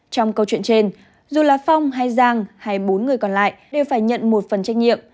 trong câu chuyện trên dù là phong hay giang hay bốn người còn lại đều phải nhận một phần trách nhiệm